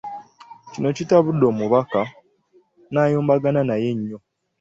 Kino kitabudde Omubaka n'ayombagana naye nyo.